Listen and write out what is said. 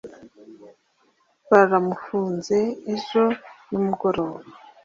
Baramufunze ejo nimugoroba